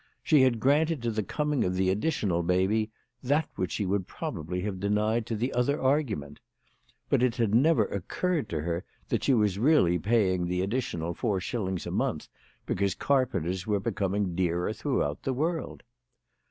She had granted to the coming of the additional baby that which she would probably have denied to the other argument ; but it had never occurred to her that she was really paying the addi tional four shillings a month because carpenters were becoming dearer throughout the world.